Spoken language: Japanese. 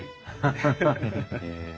ハハハへえ。